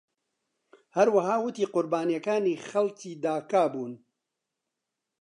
هەروەها ووتی قوربانیەکانی خەڵکی داکا بوون.